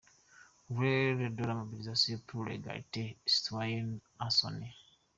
L’heure de la mobilisation pour l’égalité citoyenne a sonné.